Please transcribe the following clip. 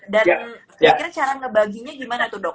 dan akhirnya cara ngebaginya gimana tuh dok